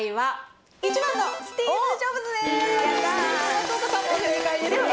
松岡さんも正解ですね。